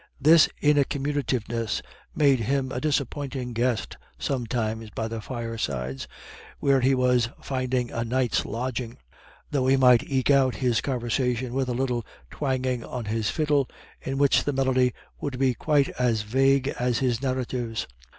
This incommunicativeness made him a disappointing guest sometimes by the firesides, where he was finding a night's lodging; though he might eke out his conversation with a little twangling on his fiddle, in which the melody would be quite as vague as his narratives.